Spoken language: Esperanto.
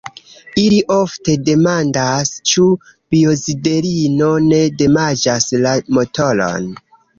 Ili ofte demandas, ĉu biodizelino ne damaĝas la motoron.